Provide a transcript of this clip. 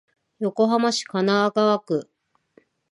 横浜市神奈川区